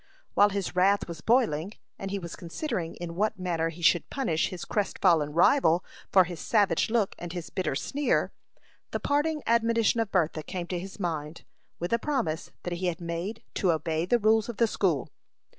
While his wrath was boiling, and he was considering in what manner he should punish his crestfallen rival for his savage look and his bitter sneer, the parting admonition of Bertha came to his mind, with the promise that he had made to obey the rules of the school.